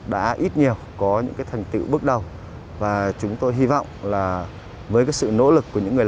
đã ít nhiều có những cái thành tựu bước đầu và chúng tôi hy vọng là với cái sự nỗ lực của những người